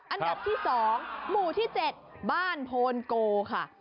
อันดับที่๒หมู่ที่๗บ้านโพนโกค่ะ